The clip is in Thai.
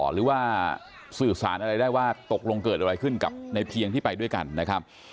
หรือว่าสื่อสารอะไรได้ว่าตกลงเกิดอะไรขึ้นกับในเพียงที่ไปด้วยกันนะครับ